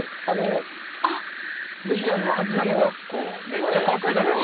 めっちゃ買ってたけど。